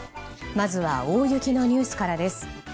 まずは大雪のニュースからです。